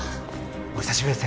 お久しぶりです